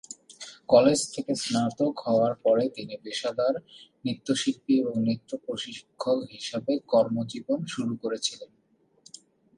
College থেকে স্নাতক হওয়ার পরে তিনি পেশাদার নৃত্যশিল্পী এবং নৃত্য প্রশিক্ষক হিসাবে কর্মজীবন শুরু করেছিলেন।